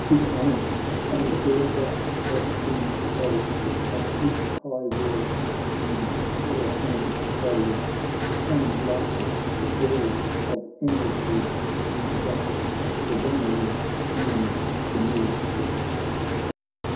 He came ! and all that had been told Of his high worth seemed poor and cold. Tame, lifeless, void of energy, Unjust to Ilonald and to me